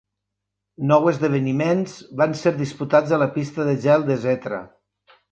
Nou esdeveniments van ser disputats a la pista de gel de Zetra.